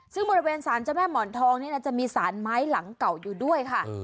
ซึ่งบริเวณสารเจ้าแม่หมอนทองนี่นะจะมีสารไม้หลังเก่าอยู่ด้วยค่ะ